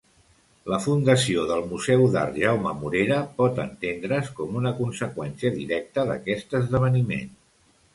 La fundació del Museu d'Art Jaume Morera pot entendre's com una conseqüència directa d'aquest esdeveniment.